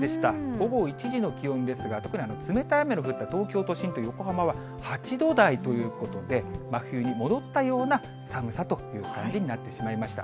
午後１時の気温ですが、特に冷たい雨の降った東京都心と横浜は８度台ということで、真冬に戻ったような寒さという感じになってしまいました。